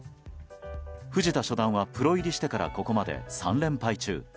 藤田初段はプロ入りしてからここまで３連敗中。